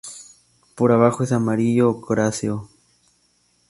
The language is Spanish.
Por abajo es amarillo ocráceo.